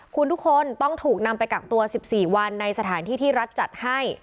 คุณทุกคนต้องถูกนำไปกักตัว๑๔วันในสถานที่ที่รัฐจัดให้